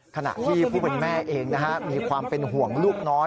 ขณะที่ผู้เป็นแม่เองมีความเป็นห่วงลูกน้อย